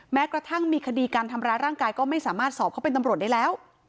แม้กระทั่งมีคดีการทำร้ายร่างกายก็ไม่สามารถสอบเขาเป็นตำรวจได้แล้ว